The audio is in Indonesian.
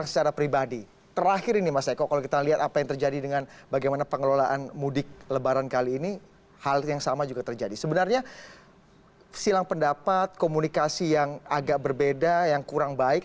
silang pendapat komunikasi yang agak berbeda yang kurang baik